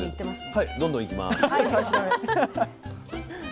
はいどんどんいきます。